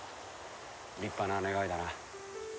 立派な願いだな。